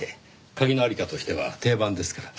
鍵の在りかとしては定番ですから。